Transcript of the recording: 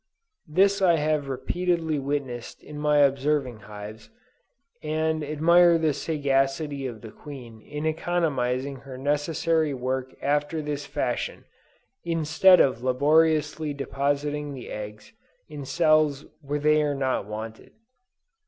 This I have repeatedly witnessed in my observing hives, and admired the sagacity of the queen in economizing her necessary work after this fashion, instead of laboriously depositing the eggs in cells where they are not wanted.